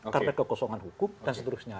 karena kekosongan hukum dan seterusnya